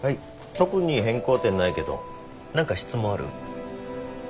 特に変更点ないけど何か質問ある？